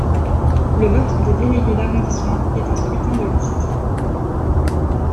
Le vote des délégués d'arrondissement est un scrutin de liste.